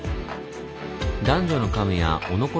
男女の神はおのころ